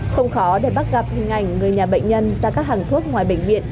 không khó để bắt gặp hình ảnh người nhà bệnh nhân ra các hàng thuốc ngoài bệnh viện